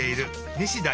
西田